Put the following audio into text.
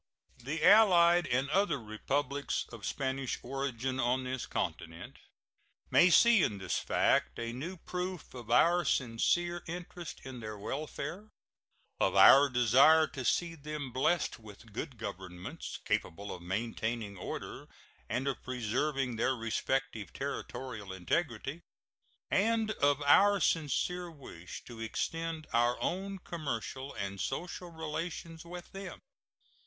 The allied and other Republics of Spanish origin on this continent may see in this fact a new proof of our sincere interest in their welfare, of our desire to see them blessed with good governments, capable of maintaining order and of preserving their respective territorial integrity, and of our sincere wish to extend our own commercial and social relations with them.